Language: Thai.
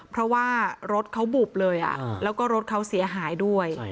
เพราะว่ารถเขาบุบเลยแล้วก็รถเขาเสียหายด้วย